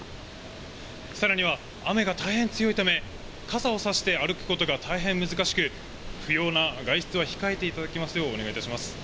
さらには雨が大変強いため、傘を差して歩くのも難しく、不要な外出を控えていただきますようお願いいたします。